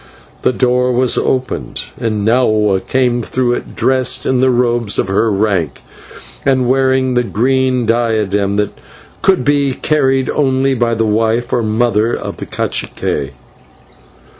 The door was opened, and Nahua came through it, dressed in the robes of her rank, and wearing the green diadem that could be carried only by the wife or mother of the /cacique